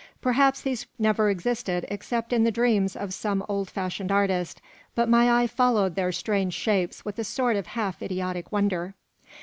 Perhaps these never existed except in the dreams of some old fashioned artist; but my eye followed their strange shapes with a sort of half idiotic wonder.